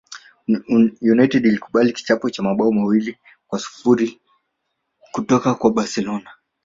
united ilikubali kichapo cha mabao mawili kwa sifuri kutoka kwa barcelona